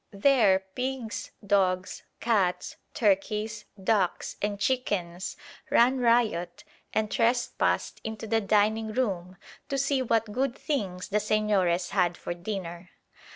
There pigs, dogs, cats, turkeys, ducks, and chickens ran riot and trespassed into the dining room to see what good things the Señores had for dinner.